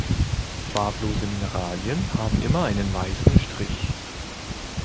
Farblose Mineralien haben immer einen weißen Strich.